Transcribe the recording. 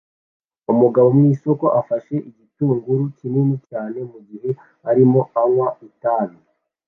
Umugabo mwisoko ufashe igitunguru kinini cyane mugihe arimo unywa itabi